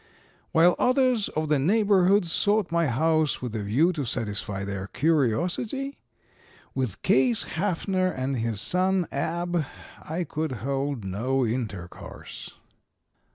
While others of the neighborhood sought my house with a view to satisfy their curiosity, with Case Haffner and his son 'Ab,' I could hold no intercourse.